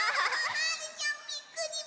はるちゃんびっくりびっくり！